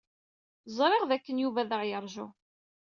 Ẓriɣ dakken Yuba ad aɣ-yeṛju.